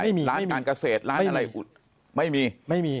ไม่มีไม่มีร้านการเกษตรร้านอะไรไม่มี